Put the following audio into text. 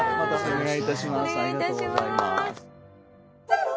お願いいたします。